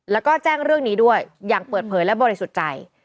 แล้วก็แจ้งเรื่องนี้ด้วยอย่างเปิดเผยและบริสุทธิ์ใจ